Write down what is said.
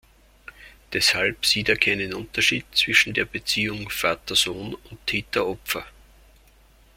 Deshalb sieht er keinen Unterschied zwischen der Beziehung Vater-Sohn und Täter-Opfer.